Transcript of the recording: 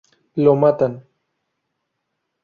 Lo matan.